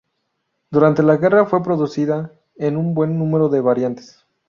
Durante la guerra fue producida en un buen número de variantes.